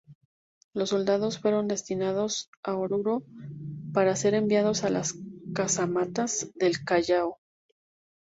Los soldados fueron destinados a Oruro para ser enviados a las casamatas del Callao.